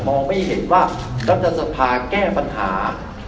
ไม่เห็นว่ารัฐสภาแก้ปัญหา